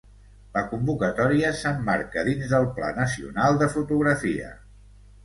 La convocatòria s'emmarca dins del Pla Nacional de Fotografia.